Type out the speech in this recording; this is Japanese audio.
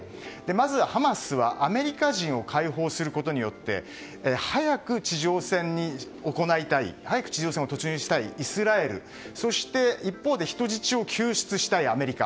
まずハマスは、アメリカ人を解放することによって早く地上戦を行いたい早く地上戦に突入したいイスラエルそして一方で人質を救出したいアメリカ。